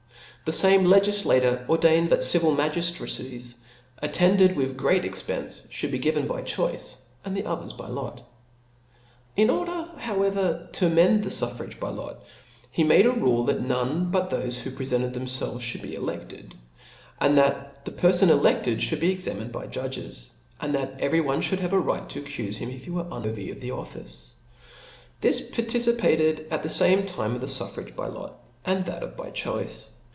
The fame legiflator ordained, that civil magiftra* cies, attended with great ei^pence, ihould be given by choice ; and the others by lot. la order however to amend the fufFrage by lot, he made a rule, that none but thofe who prefented thcmfelves fhould be elected; that the perfon eledbed iy) Seethefhould be examined by judges (^), and that every Demof ^^ one jfliouM have a right to atcufe him if he were thenes de unworthy of the office *: this participated at the gaL^nk fame time of the fufFrage by lot, and of that by choice.